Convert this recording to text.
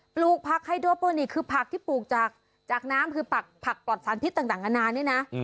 ปลูกผักไฮโดโปนิกคือผักที่ปลูกจากน้ำคือปักผักปลอดสารพิษต่างนานานี่นะ